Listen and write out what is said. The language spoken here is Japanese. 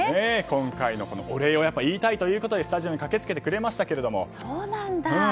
今回のお礼を言いたいということでスタジオに駆けつけてくれましたけど。